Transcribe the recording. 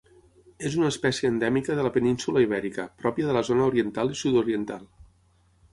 És una espècie endèmica de la península Ibèrica pròpia de la zona oriental i sud-oriental.